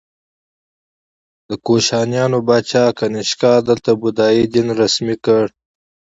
د کوشانیانو پاچا کنیشکا دلته بودايي دین رسمي کړ